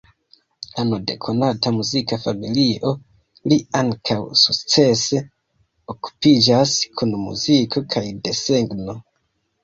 Ano de konata muzika familio, li ankaŭ sukcese okupiĝas kun muziko kaj desegno.